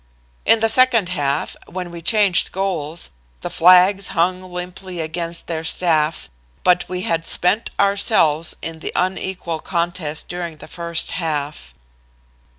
"In the second half, when we changed goals, the flags hung limply against their staffs, but we had spent ourselves in the unequal contest during the first half."